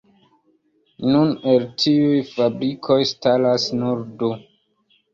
Nun el tiuj fabrikoj staras nur du.